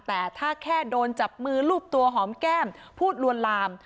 แต่ถ้าแค่โดนจับมือรูปตัวหอมแก้มพูดลวนลาม